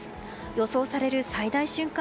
予想される最大瞬間